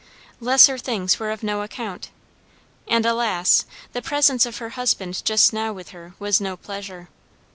Lesser things were of no account; and alas! the presence of her husband just now with her was no pleasure.